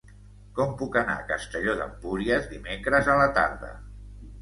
Com puc anar a Castelló d'Empúries dimecres a la tarda?